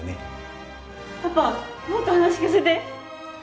パパもっと話を聞かせて！